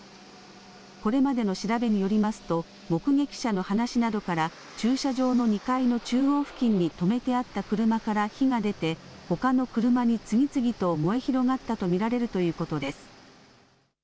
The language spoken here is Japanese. これまでの調べによりますと目撃者の話などから駐車場の２階の中央付近に止めてあった車から火が出てほかの車に次々と燃え広がったと見られるということです。